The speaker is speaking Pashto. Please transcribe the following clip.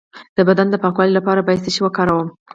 د بدن د پاکوالي لپاره باید څه شی وکاروم؟